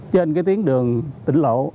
trên cái tiến đường tỉnh lộ